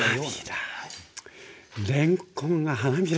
れんこんが花びらに。